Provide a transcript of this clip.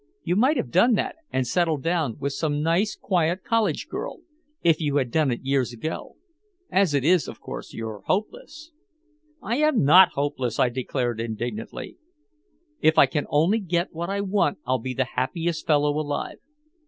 You might have done that and settled down with some nice quiet college girl if you had done it years ago. As it is, of course you're hopeless." "I am not hopeless," I declared indignantly. "If I can only get what I want I'll be the happiest fellow alive!"